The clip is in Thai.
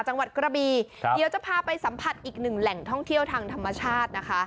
จังหวัดกระบีเดี๋ยวจะพาไปสัมผัสอีกหนึ่งแหล่งท่องเที่ยวทางธรรมชาตินะคะ